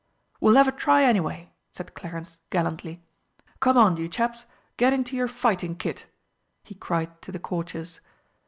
"We'll have a try anyway," said Clarence gallantly. "Come on, you chaps get into your fighting kit," he cried to the Courtiers.